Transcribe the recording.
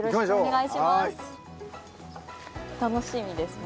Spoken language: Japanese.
楽しみですね。